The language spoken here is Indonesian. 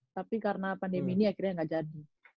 tapi karena pandemi ini akhirnya nggak jadi